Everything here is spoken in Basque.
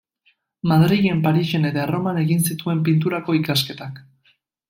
Madrilen, Parisen eta Erroman egin zituen Pinturako ikasketak.